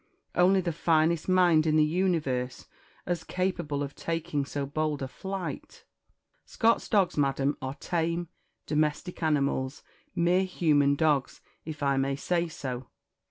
Only the finest mind in the universe as capable of taking so bold a flight. Scott's dogs, madam, are tame, domestic animals mere human dogs, if I may say so.